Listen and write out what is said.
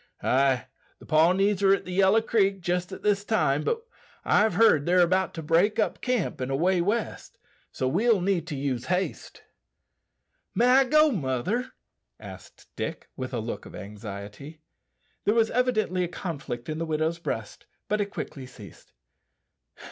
"Ay; the Pawnees are at the Yellow Creek jist at this time, but I've heerd they're 'bout to break up camp an' away west; so we'll need to use haste." "May I go, mother?" asked Dick, with a look of anxiety. There was evidently a conflict in the widow's breast, but it quickly ceased.